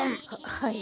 はい？